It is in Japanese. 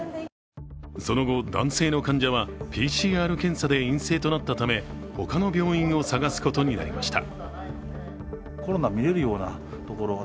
その後、男性の患者はＰＣＲ検査で陰性となったためほかの病院を探すことになりました。